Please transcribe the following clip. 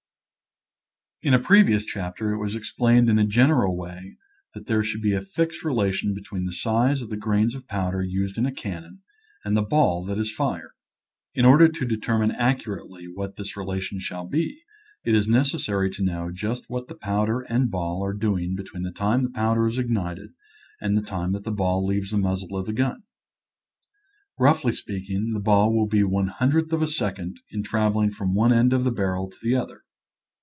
In a previous chapter it was explained in a general way that there should be a fixed relation between the size of the grains of powder used in a cannon and the ball that is fired. In order to determine accurately what this relation shall be, it is necessary to know just what the powder and ball are doing be tween the time the powder is ignited and the time that the ball leaves the muzzle of the gun. Roughly speaking, the ball will be one hun dredth of a second in traveling from one end of the barrel to the other.